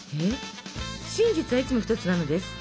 「真実はいつもひとつ」なのです。